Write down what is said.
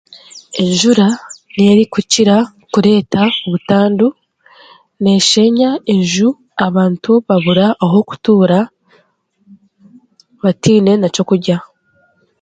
Enjura niyo erikukira kureetaho butandu n'esheenya enju reero abantu babura ah'okutuura bataine n'aky'okurya